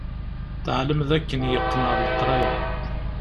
Teɛlem d akken yeqqen ɣer leqraya.